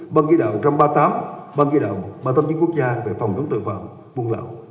ban ghi đạo một trăm ba mươi tám ban ghi đạo một trăm ba mươi chín quốc gia về phòng chống tội phạm buôn lậu